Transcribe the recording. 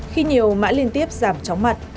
khi nhiều mã liên tiếp giảm chóng mặt